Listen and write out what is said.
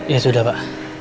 ya sudah pak